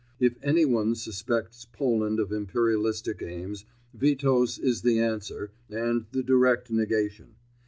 If anyone suspects Poland of Imperialistic aims, Witos is the answer and the direct negation.